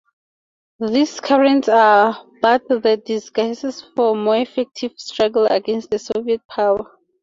These currents are but the disguises for more effective struggle against the Soviet power.